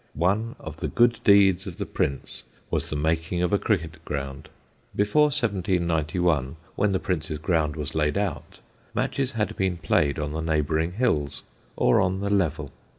One of the good deeds of the Prince was the making of a cricket ground. Before 1791, when the Prince's ground was laid out, matches had been played on the neighbouring hills, or on the Level.